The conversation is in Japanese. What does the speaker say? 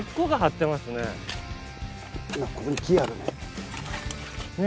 ここに木あるね。